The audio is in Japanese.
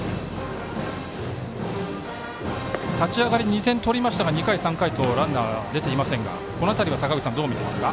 立ち上がり、２点取りましたが２回、３回とランナー出ていませんがこの辺りは、どう見てますか？